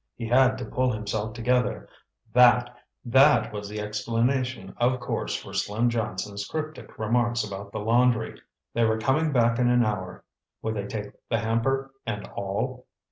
He had to pull himself together. That—that was the explanation, of course, for Slim Johnson's cryptic remarks about the laundry. They were coming back in an hour. Would they take the hamper and all?